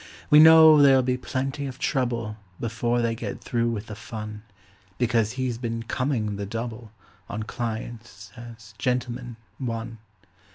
We know there'll be plenty of trouble Before they get through with the fun, Because he's been coming the double On clients, has "Gentleman, One".